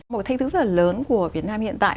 một thách thức rất là lớn của việt nam hiện tại